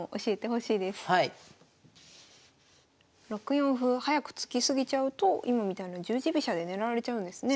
６四歩を早く突き過ぎちゃうと今みたいな十字飛車で狙われちゃうんですね。